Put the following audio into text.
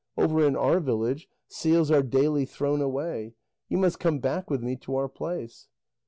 Over in our village, seals are daily thrown away. You must come back with me to our place."